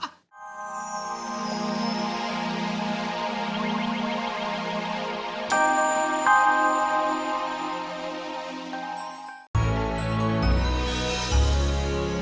langsung silahkan terserung